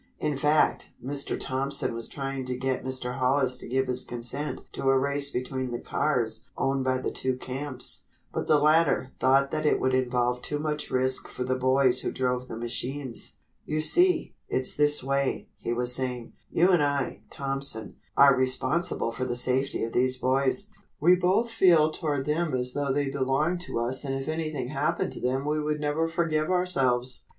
In fact, Mr. Thompson was trying to get Mr. Hollis to give his consent to a race between the cars owned by the two camps. But the latter thought that it would involve too much risk for the boys who drove the machines. "You see, it's this way," he was saying, "you and I, Thompson, are responsible for the safety of these boys. We both feel toward them as though they belonged to us and if anything happened to them we would never forgive ourselves.